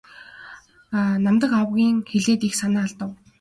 Намдаг авга ийн хэлээд их санаа алдав.